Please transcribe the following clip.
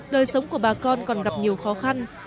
đời sống của bà con còn gặp nhiều khó khăn